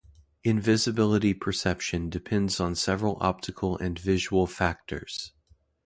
Invisibility perception depends on several optical and visual factors.